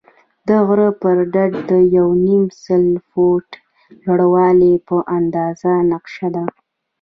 د غره پر ډډه د یو نیم سل فوټه لوړوالی په اندازه نقشه ده.